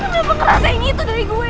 lo kenapa ngerasain gitu dari gue